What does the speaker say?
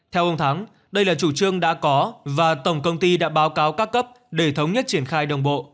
theo ông thắng đây là chủ trương đã có và tổng công ty đã báo cáo các cấp để thống nhất triển khai đồng bộ